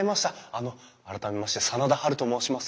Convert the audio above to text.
あの改めまして真田ハルと申します。